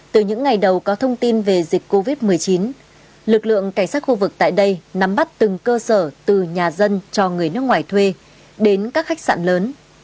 từ những ngày đầu có thông tin về dịch covid một mươi chín lực lượng cảnh sát khu vực tại đây nắm bắt từng cơ sở từ nhà dân cho người nước ngoài thuê đến các khách sạn lớn